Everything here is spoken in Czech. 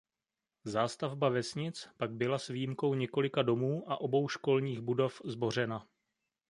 Zástavba vesnic pak byla s výjimkou několika domů a obou školních budov zbořena.